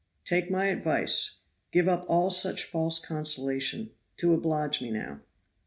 "Take my advice. Give up all such false consolation, to oblige me, now."